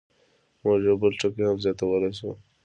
موږ یو بل ټکی هم زیاتولی شو.